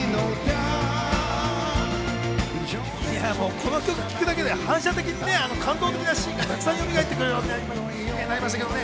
この曲聴くだけで、反射的にあの感動的なシーンがたくさん蘇ってくるよね。